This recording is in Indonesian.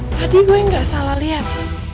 tadi gue nggak salah lihat